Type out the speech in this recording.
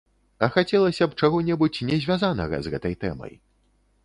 А хацелася б чаго-небудзь не звязанага з гэтай тэмай.